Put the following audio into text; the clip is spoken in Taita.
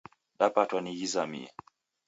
Dapatwa ni ghizamie